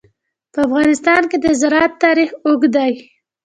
په افغانستان کې د زراعت تاریخ اوږد دی.